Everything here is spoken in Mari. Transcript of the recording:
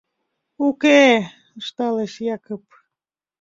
— Уке, — ышталеш Якып.